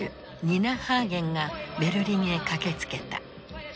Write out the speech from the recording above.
ニナ・ハーゲンがベルリンへ駆けつけた。